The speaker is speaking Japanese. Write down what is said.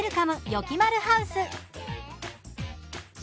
よきまるハウス」。